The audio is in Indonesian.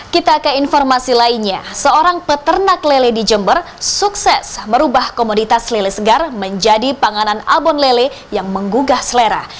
kita ke informasi lainnya seorang peternak lele di jember sukses merubah komoditas lele segar menjadi panganan abon lele yang menggugah selera